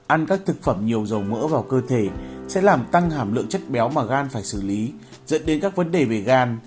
ăn các thực phẩm nhiều dầu mỡ vào cơ thể sẽ làm tăng hàm lượng chất béo mà gan phải xử lý dẫn đến các vấn đề về gan